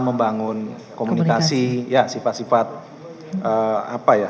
membangun komunikasi ya sifat sifat apa ya